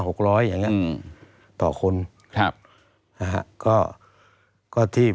ตั้งแต่ปี๒๕๓๙๒๕๔๘